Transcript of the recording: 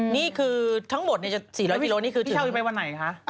นี่คือทั้งหมด๔๐๐กิโลกรัมนี่คือถึงพี่เช้าจะไปวันไหนคะ